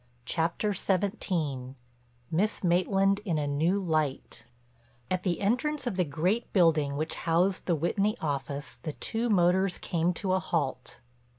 CHAPTER XVII—MISS MAITLAND IN A NEW LIGHT At the entrance of the great building which housed the Whitney office the two motors came to a halt.